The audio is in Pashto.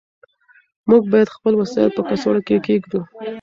موږ باید خپل وسایل په کڅوړه کې کېږدو.